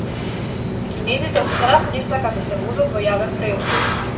Кинезите од страв не сакаат да се возат во јавен превоз